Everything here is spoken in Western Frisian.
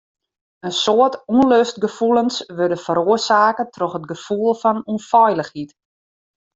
In soad ûnlustgefoelens wurde feroarsake troch it gefoel fan ûnfeilichheid.